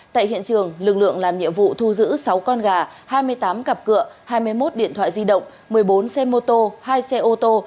tại hiện trường lực lượng làm nhiệm vụ thu giữ sáu con gà hai mươi tám cặp cửa hai mươi một điện thoại di động một mươi bốn xe mô tô hai xe ô tô